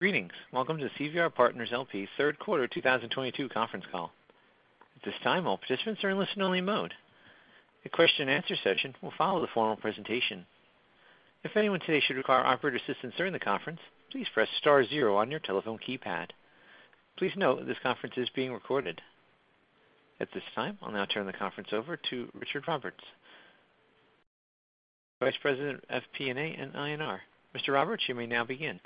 Greetings. Welcome to the CVR Partners, LP third quarter 2022 conference call. At this time, all participants are in listen-only mode. The question-and answer-session will follow the formal presentation. If anyone today should require operator assistance during the conference, please press star zero on your telephone keypad. Please note this conference is being recorded. At this time, I'll now turn the conference over to Richard Roberts, Vice President of FP&A and IR. Mr. Roberts, you may now begin.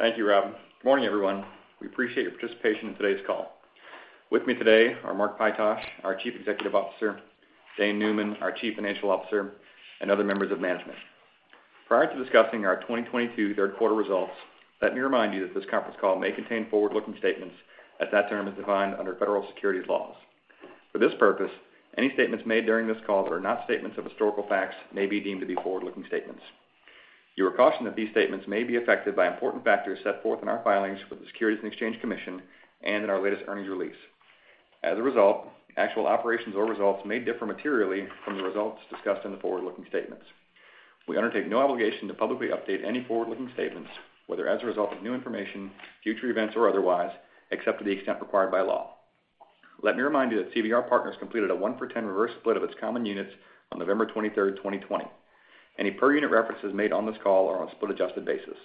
Thank you, Rob. Good morning, everyone. We appreciate your participation in today's call. With me today are Mark Pytosh, our Chief Executive Officer, Dane Neumann, our Chief Financial Officer, and other members of management. Prior to discussing our 2022 third quarter results, let me remind you that this conference call may contain forward-looking statements as that term is defined under federal securities laws. For this purpose, any statements made during this call that are not statements of historical facts may be deemed to be forward-looking statements. You are cautioned that these statements may be affected by important factors set forth in our filings with the Securities and Exchange Commission and in our latest earnings release. As a result, actual operations or results may differ materially from the results discussed in the forward-looking statements. We undertake no obligation to publicly update any forward-looking statements, whether as a result of new information, future events, or otherwise, except to the extent required by law. Let me remind you that CVR Partners completed a 1-for-10 reverse split of its common units on November 23rd, 2020. Any per unit references made on this call are on a split-adjusted basis.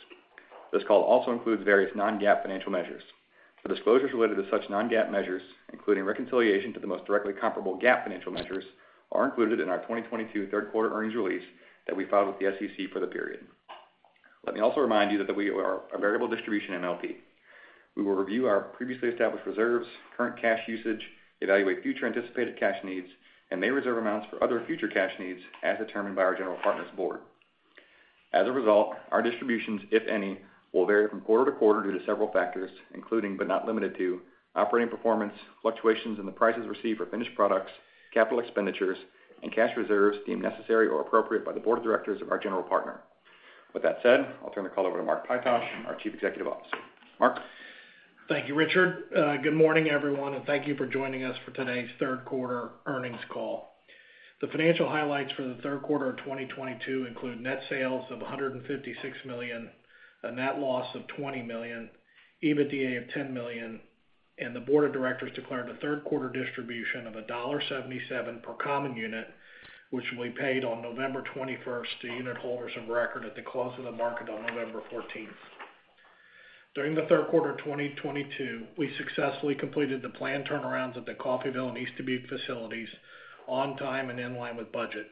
This call also includes various non-GAAP financial measures. The disclosures related to such non-GAAP measures, including reconciliation to the most directly comparable GAAP financial measures, are included in our 2022 third quarter earnings release that we filed with the SEC for the period. Let me also remind you that we are a variable distribution MLP. We will review our previously established reserves, current cash usage, evaluate future anticipated cash needs, and may reserve amounts for other future cash needs as determined by our general partner's board. As a result, our distributions, if any, will vary from quarter to quarter due to several factors, including but not limited to operating performance, fluctuations in the prices received for finished products, capital expenditures, and cash reserves deemed necessary or appropriate by the board of directors of our general partner. With that said, I'll turn the call over to Mark Pytosh, our Chief Executive Officer. Mark? Thank you, Richard. Good morning, everyone, and thank you for joining us for today's third quarter earnings call. The financial highlights for the third quarter of 2022 include net sales of $156 million, a net loss of $20 million, EBITDA of $10 million, and the board of directors declared a third quarter distribution of $1.77 per common unit, which will be paid on November twenty-first to unit holders of record at the close of the market on November fourteenth. During the third quarter of 2022, we successfully completed the planned turnarounds at the Coffeyville and East Dubuque facilities on time and in line with budget.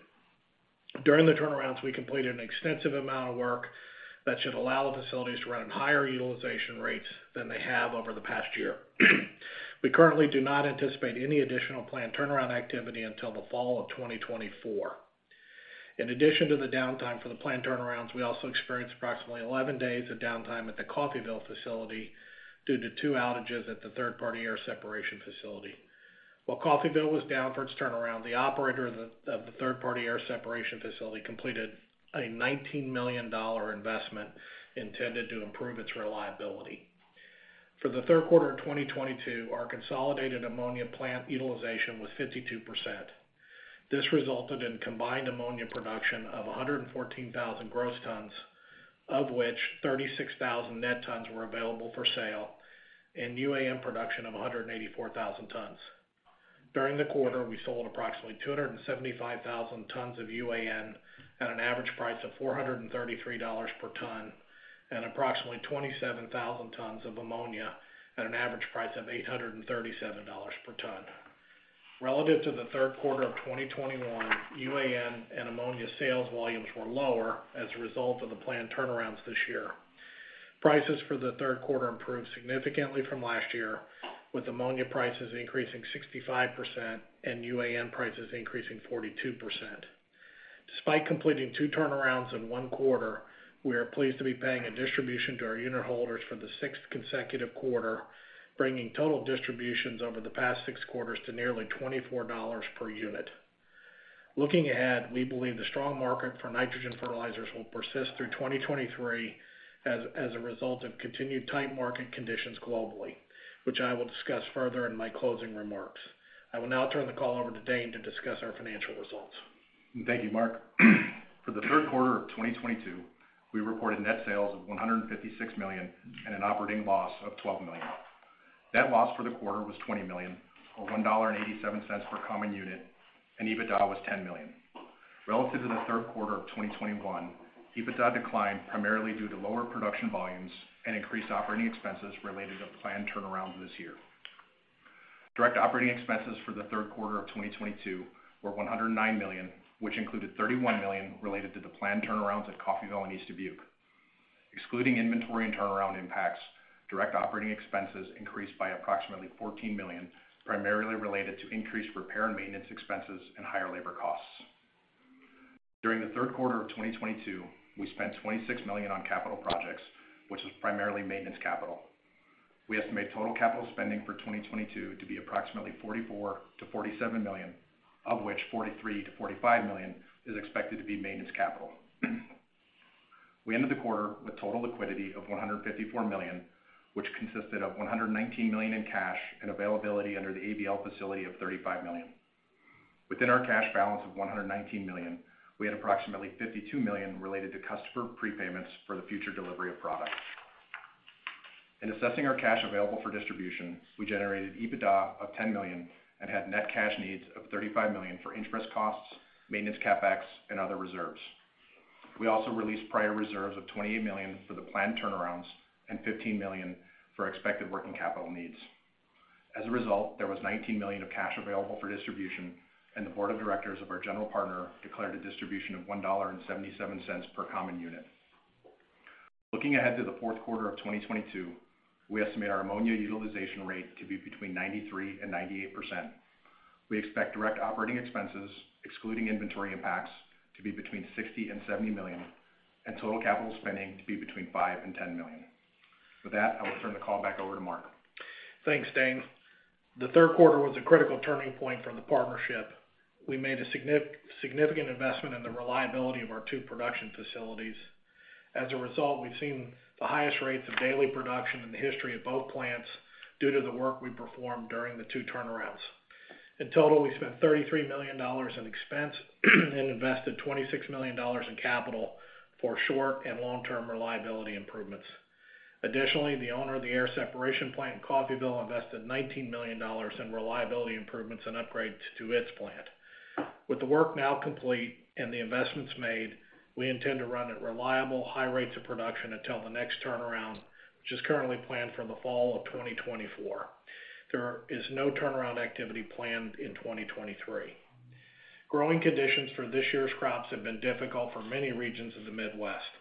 During the turnarounds, we completed an extensive amount of work that should allow the facilities to run at higher utilization rates than they have over the past year. We currently do not anticipate any additional planned turnaround activity until the fall of 2024. In addition to the downtime for the planned turnarounds, we also experienced approximately 11 days of downtime at the Coffeyville facility due to two outages at the third-party air separation facility. While Coffeyville was down for its turnaround, the operator of the third-party air separation facility completed a $19 million investment intended to improve its reliability. For the third quarter of 2022, our consolidated ammonia plant utilization was 52%. This resulted in combined ammonia production of 114,000 gross tons, of which 36,000 net tons were available for sale, and UAN production of 184,000 tons. During the quarter, we sold approximately 275,000 tons of UAN at an average price of $433 per ton and approximately 27,000 tons of ammonia at an average price of $837 per ton. Relative to the third quarter of 2021, UAN and ammonia sales volumes were lower as a result of the planned turnarounds this year. Prices for the third quarter improved significantly from last year, with ammonia prices increasing 65% and UAN prices increasing 42%. Despite completing two turnarounds in one quarter, we are pleased to be paying a distribution to our unit holders for the sixth consecutive quarter, bringing total distributions over the past six quarters to nearly $24 per unit. Looking ahead, we believe the strong market for nitrogen fertilizers will persist through 2023 as a result of continued tight market conditions globally, which I will discuss further in my closing remarks. I will now turn the call over to Dane to discuss our financial results. Thank you, Mark. For the third quarter of 2022, we reported net sales of $156 million and an operating loss of $12 million. Net loss for the quarter was $20 million, or $1.87 per common unit, and EBITDA was $10 million. Relative to the third quarter of 2021, EBITDA declined primarily due to lower production volumes and increased operating expenses related to planned turnarounds this year. Direct operating expenses for the third quarter of 2022 were $109 million, which included $31 million related to the planned turnarounds at Coffeyville and East Dubuque. Excluding inventory and turnaround impacts, direct operating expenses increased by approximately $14 million, primarily related to increased repair and maintenance expenses and higher labor costs. During the third quarter of 2022, we spent $26 million on capital projects, which is primarily maintenance capital. We estimate total capital spending for 2022 to be approximately $44 million-$47 million, of which $43 million-$45 million is expected to be maintenance capital. We ended the quarter with total liquidity of $154 million, which consisted of $119 million in cash and availability under the ABL facility of $35 million. Within our cash balance of $119 million, we had approximately $52 million related to customer prepayments for the future delivery of product. In assessing our cash available for distribution, we generated EBITDA of $10 million and had net cash needs of $35 million for interest costs, maintenance CapEx, and other reserves. We also released prior reserves of $28 million for the planned turnarounds and $15 million for expected working capital needs. As a result, there was $19 million of cash available for distribution, and the board of directors of our general partner declared a distribution of $1.77 per common unit. Looking ahead to the fourth quarter of 2022, we estimate our Ammonia utilization rate to be between 93% and 98%. We expect direct operating expenses, excluding inventory impacts, to be between $60 million and $70 million, and total capital spending to be between $5 million and $10 million. With that, I will turn the call back over to Mark. Thanks, Dane. The third quarter was a critical turning point for the partnership. We made a significant investment in the reliability of our two production facilities. As a result, we've seen the highest rates of daily production in the history of both plants due to the work we performed during the two turnarounds. In total, we spent $33 million in expense and invested $26 million in capital for short and long-term reliability improvements. Additionally, the owner of the air separation plant in Coffeyville invested $19 million in reliability improvements and upgrades to its plant. With the work now complete and the investments made, we intend to run at reliable high rates of production until the next turnaround, which is currently planned for the fall of 2024. There is no turnaround activity planned in 2023. Growing conditions for this year's crops have been difficult for many regions of the Midwest,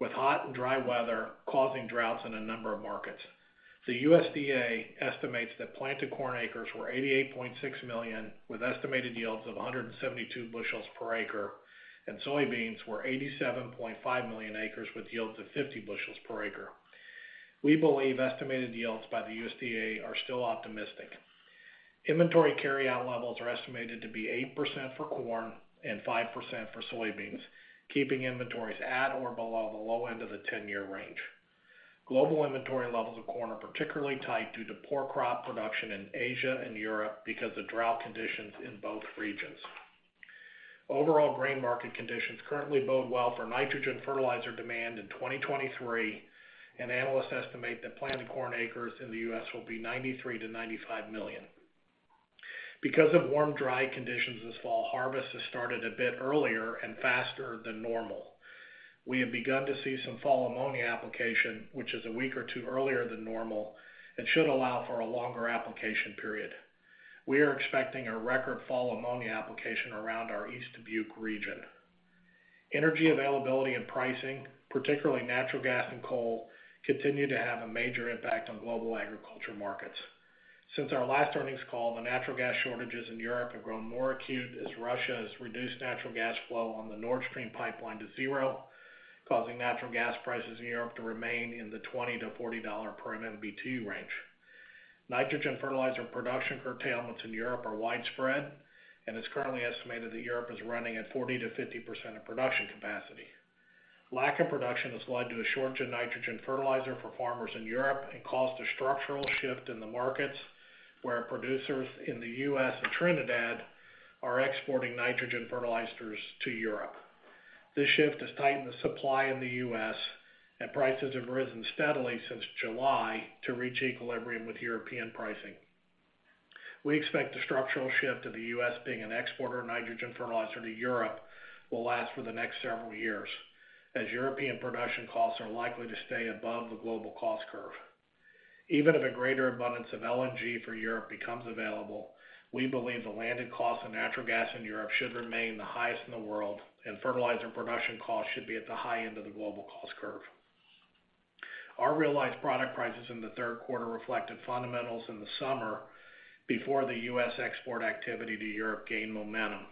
with hot and dry weather causing droughts in a number of markets. The USDA estimates that planted corn acres were 88.6 million, with estimated yields of 172 bushels per acre, and soybeans were 87.5 million acres with yields of 50 bushels per acre. We believe estimated yields by the USDA are still optimistic. Inventory carryout levels are estimated to be 8% for corn and 5% for soybeans, keeping inventories at or below the low end of the 10-year range. Global inventory levels of corn are particularly tight due to poor crop production in Asia and Europe because of drought conditions in both regions. Overall grain market conditions currently bode well for nitrogen fertilizer demand in 2023, and analysts estimate that planted corn acres in the U.S. will be 93 million-95 million. Because of warm, dry conditions this fall, harvest has started a bit earlier and faster than normal. We have begun to see some fall ammonia application, which is a week or two earlier than normal and should allow for a longer application period. We are expecting a record fall ammonia application around our East Dubuque region. Energy availability and pricing, particularly natural gas and coal, continue to have a major impact on global agriculture markets. Since our last earnings call, the natural gas shortages in Europe have grown more acute as Russia has reduced natural gas flow on the Nord Stream pipeline to zero, causing natural gas prices in Europe to remain in the $20-$40 per MMBtu range. Nitrogen fertilizer production curtailments in Europe are widespread, and it's currently estimated that Europe is running at 40%-50% of production capacity. Lack of production has led to a shortage of nitrogen fertilizer for farmers in Europe, and caused a structural shift in the markets where producers in the U.S. and Trinidad are exporting nitrogen fertilizers to Europe. This shift has tightened the supply in the U.S., and prices have risen steadily since July to reach equilibrium with European pricing. We expect the structural shift of the U.S. being an exporter of nitrogen fertilizer to Europe will last for the next several years, as European production costs are likely to stay above the global cost curve. Even if a greater abundance of LNG for Europe becomes available, we believe the landed cost of natural gas in Europe should remain the highest in the world, and fertilizer production costs should be at the high end of the global cost curve. Our realized product prices in the third quarter reflected fundamentals in the summer before the US export activity to Europe gained momentum.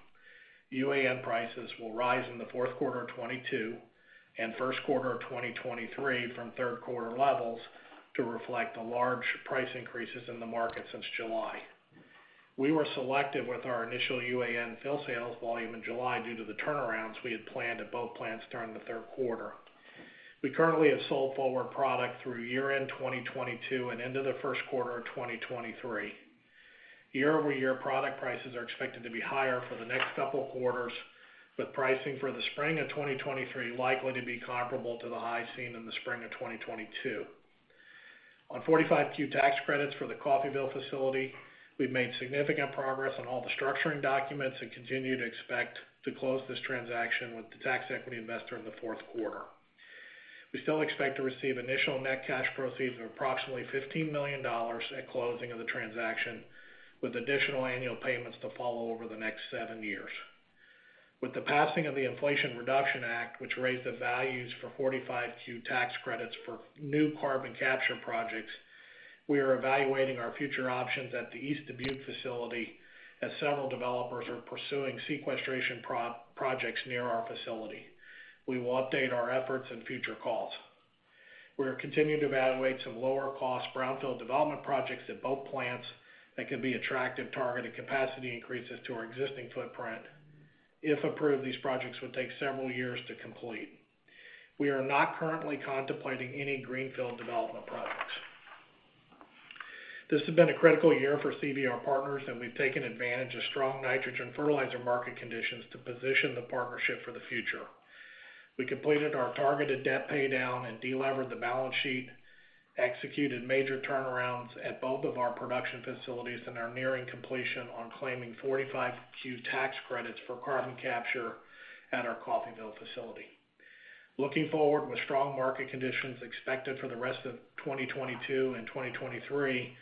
UAN prices will rise in the fourth quarter of 2022 and first quarter of 2023 from third quarter levels to reflect the large price increases in the market since July. We were selective with our initial UAN fill sales volume in July due to the turnarounds we had planned at both plants during the third quarter. We currently have sold forward product through year-end 2022 and into the first quarter of 2023. Year-over-year product prices are expected to be higher for the next couple of quarters, with pricing for the spring of 2023 likely to be comparable to the highs seen in the spring of 2022. On 45Q tax credits for the Coffeyville facility, we've made significant progress on all the structuring documents, and continue to expect to close this transaction with the tax equity investor in the fourth quarter. We still expect to receive initial net cash proceeds of approximately $15 million at closing of the transaction, with additional annual payments to follow over the next seven years. With the passing of the Inflation Reduction Act, which raised the values for 45Q tax credits for new carbon capture projects, we are evaluating our future options at the East Dubuque facility, as several developers are pursuing sequestration projects near our facility. We will update our efforts in future calls. We are continuing to evaluate some lower cost brownfield development projects at both plants that could be attractive targeted capacity increases to our existing footprint. If approved, these projects would take several years to complete. We are not currently contemplating any greenfield development projects. This has been a critical year for CVR Partners, and we've taken advantage of strong nitrogen fertilizer market conditions to position the partnership for the future. We completed our targeted debt pay down and delevered the balance sheet, executed major turnarounds at both of our production facilities, and are nearing completion on claiming 45Q tax credits for carbon capture at our Coffeyville facility. Looking forward, with strong market conditions expected for the rest of 2022 and 2023,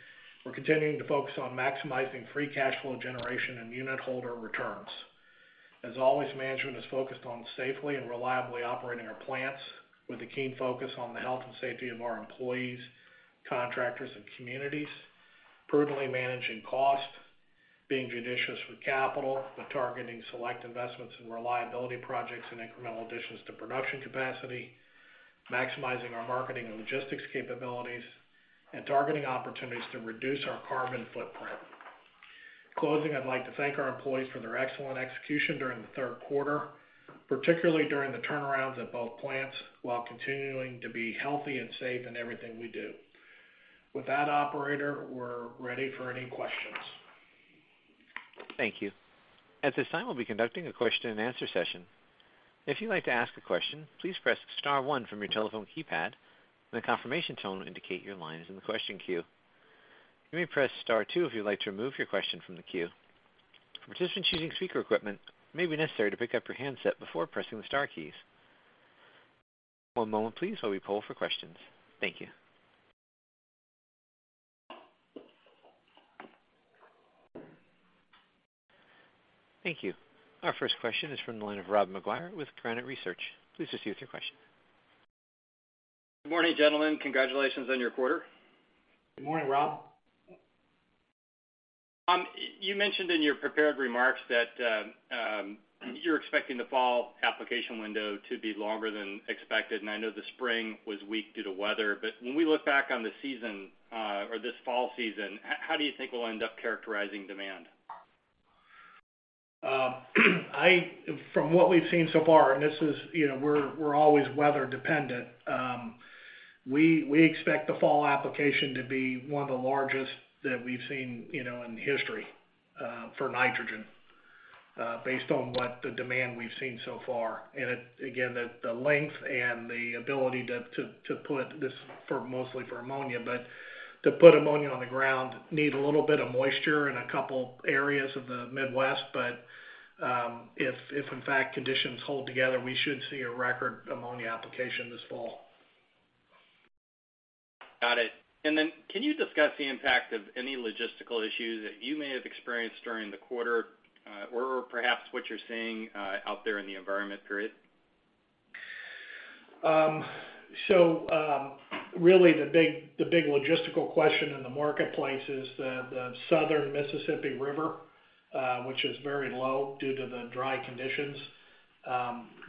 we're continuing to focus on maximizing free cash flow generation and unit holder returns. As always, management is focused on safely and reliably operating our plants with a keen focus on the health and safety of our employees, contractors, and communities. Prudently managing costs, being judicious with capital, but targeting select investments in reliability projects and incremental additions to production capacity, maximizing our marketing and logistics capabilities, and targeting opportunities to reduce our carbon footprint. Closing, I'd like to thank our employees for their excellent execution during the third quarter, particularly during the turnarounds at both plants, while continuing to be healthy and safe in everything we do. With that, operator, we're ready for any questions. Thank you. At this time, we'll be conducting a question and answer session. If you'd like to ask a question, please press star one from your telephone keypad, and a confirmation tone will indicate your line is in the question queue. You may press star two if you'd like to remove your question from the queue. For participants using speaker equipment, it may be necessary to pick up your handset before pressing the star keys. One moment please while we poll for questions. Thank you. Thank you. Our first question is from the line of Rob Maguire with Granite Research. Please proceed with your question. Good morning, gentlemen. Congratulations on your quarter. Good morning, Rob. You mentioned in your prepared remarks that you're expecting the fall application window to be longer than expected, and I know the spring was weak due to weather. When we look back on the season, or this fall season, how do you think we'll end up characterizing demand? From what we've seen so far, and this is, you know, we're always weather dependent. We expect the fall application to be one of the largest that we've seen, you know, in history, for nitrogen, based on what the demand we've seen so far. Again, the length and the ability to put this mostly for ammonia. To put ammonia on the ground need a little bit of moisture in a couple areas of the Midwest. If in fact conditions hold together, we should see a record ammonia application this fall. Got it. Can you discuss the impact of any logistical issues that you may have experienced during the quarter, or perhaps what you're seeing out there in the environment period? Really the big logistical question in the marketplace is the southern Mississippi River, which is very low due to the dry conditions.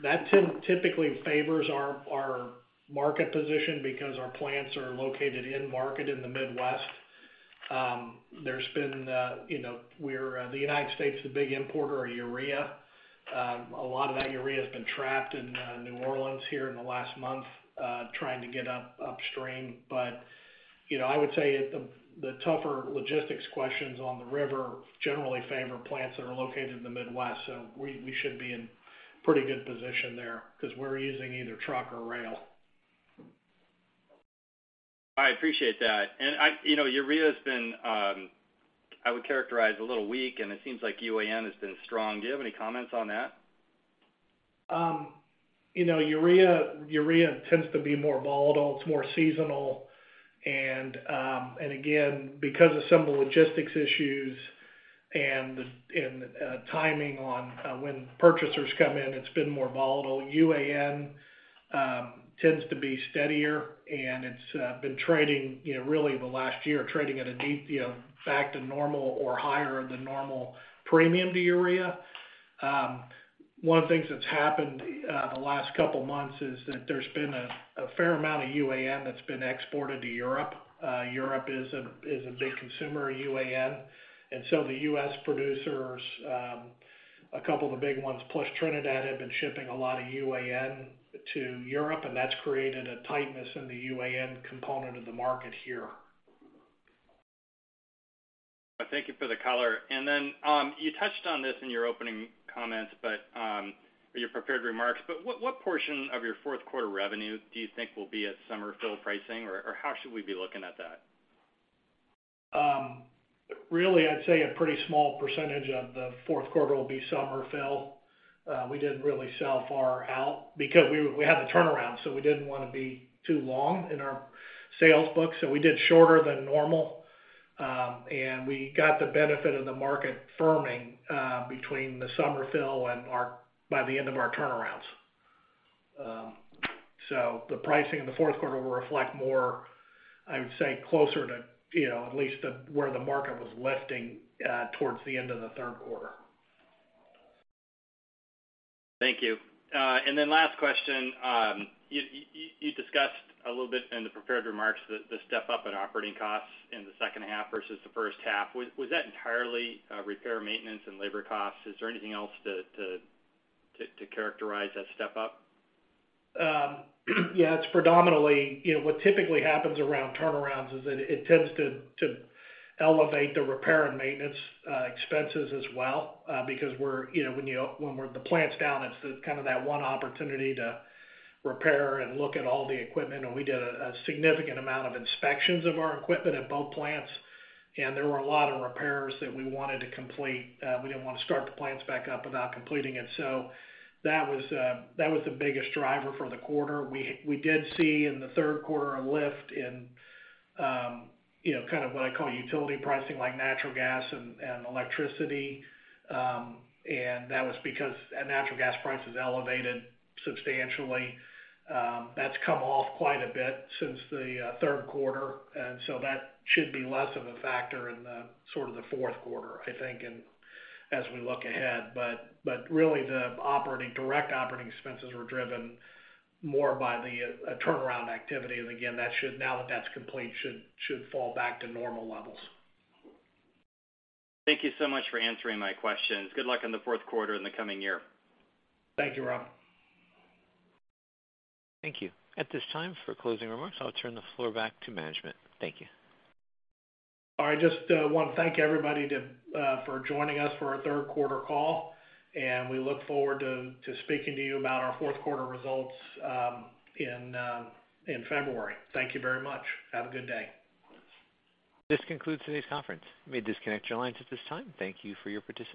That typically favors our market position because our plants are located in market in the Midwest. There's been, you know, the United States is a big importer of urea. A lot of that urea has been trapped in New Orleans here in the last month, trying to get upstream. You know, I would say the tougher logistics questions on the river generally favor plants that are located in the Midwest. We should be in pretty good position there 'cause we're using either truck or rail. I appreciate that. You know, Urea has been, I would characterize a little weak, and it seems like UAN has been strong. Do you have any comments on that? You know, urea tends to be more volatile, it's more seasonal. Again, because of some of the logistics issues and the timing on when purchasers come in, it's been more volatile. UAN tends to be steadier, and it's been trading, you know, really the last year trading at a deep, you know, back to normal or higher than normal premium to urea. One of the things that's happened the last couple months is that there's been a fair amount of UAN that's been exported to Europe. Europe is a big consumer of UAN. The U.S. producers, a couple of the big ones, plus Trinidad, have been shipping a lot of UAN to Europe, and that's created a tightness in the UAN component of the market here. Thank you for the color. You touched on this in your opening comments or your prepared remarks. What portion of your fourth quarter revenue do you think will be at summer fill pricing, or how should we be looking at that? Really, I'd say a pretty small percentage of the fourth quarter will be summer fill. We didn't really sell far out because we had the turnaround, so we didn't wanna be too long in our sales book. We did shorter than normal. We got the benefit of the market firming between the summer fill and by the end of our turnarounds. The pricing in the fourth quarter will reflect more, I would say, closer to, you know, at least to where the market was lifting towards the end of the third quarter. Thank you. Last question. You discussed a little bit in the prepared remarks the step up in operating costs in the second half versus the first half. Was that entirely repair, maintenance, and labor costs? Is there anything else to characterize that step up? Yeah, it's predominantly, you know, what typically happens around turnarounds is it tends to elevate the repair and maintenance expenses as well. Because we're, you know, when the plant's down, it's that one opportunity to repair and look at all the equipment. We did a significant amount of inspections of our equipment at both plants, and there were a lot of repairs that we wanted to complete. We didn't wanna start the plants back up without completing it. That was the biggest driver for the quarter. We did see in the third quarter a lift in, you know, kind of what I call utility pricing, like natural gas and electricity. That was because natural gas prices elevated substantially. That's come off quite a bit since the third quarter. That should be less of a factor in the sort of the fourth quarter, I think, and as we look ahead. Really the operating direct operating expenses were driven more by the turnaround activity. Again, that should now that that's complete should fall back to normal levels. Thank you so much for answering my questions. Good luck on the fourth quarter and the coming year. Thank you, Rob. Thank you. At this time, for closing remarks, I'll turn the floor back to management. Thank you. I just wanna thank everybody for joining us for our third quarter call, and we look forward to speaking to you about our fourth quarter results in February. Thank you very much. Have a good day. This concludes today's conference. You may disconnect your lines at this time. Thank you for your participation.